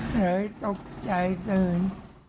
เลยตกใจตึง